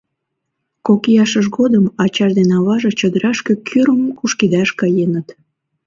Кок ияшыж годым ачаж ден аваже чодырашке кӱрым кушкедаш каеныт.